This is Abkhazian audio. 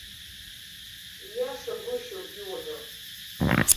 Ииашагәышьоуп иуҳәо.